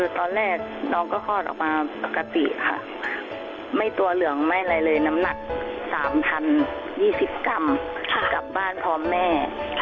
ตอนแรกน้องก็คลอดออกมาปกติค่ะไม่ตัวเหลืองไม่อะไรเลยน้ำหนัก๓๐๒๐กรัมกลับบ้านพร้อมแม่